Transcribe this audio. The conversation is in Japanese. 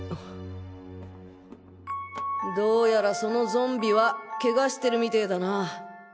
どうやらそのゾンビは怪我してるみてぇだな。